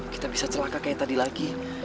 kita bisa celaka kayak tadi lagi